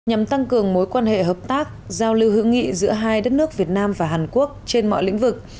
nhằm tăng cường mối quan hệ hợp tác giao lưu hữu nghị giữa hai đất nước việt nam và hàn quốc trên mọi lĩnh vực